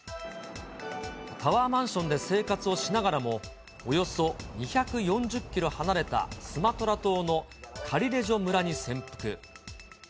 タワーマンションで生活をしながらも、およそ２４０キロ離れたスマトラ島のカリレジョ村に潜伏。